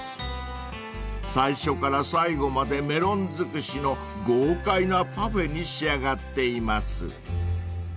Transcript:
［最初から最後までメロン尽くしの豪快なパフェに仕上がっています］